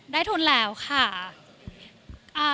ได้ทุนแล้วค่ะ